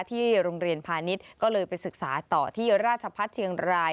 ที่โรงเรียนพาณิชย์ก็เลยไปศึกษาต่อที่ราชพัฒน์เชียงราย